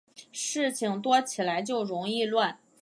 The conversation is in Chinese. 事情多起来就容易乱